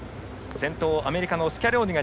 先頭はアメリカのスキャローニ。